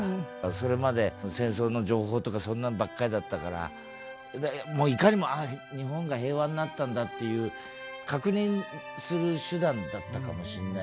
それまで戦争の情報とかそんなんばっかりだったからもういかにも日本が平和になったんだっていう確認する手段だったかもしれない。